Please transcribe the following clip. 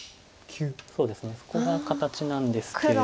そうですねそこが形なんですけれども。